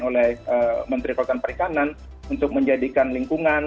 oleh menteri kelautan perikanan untuk menjadikan lingkungan